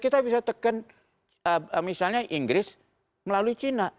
kita bisa tekan misalnya inggris melalui cina